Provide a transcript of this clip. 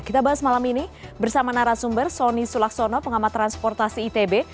kita bahas malam ini bersama narasumber soni sulaksono pengamat transportasi itb